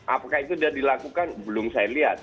apakah itu sudah dilakukan belum saya lihat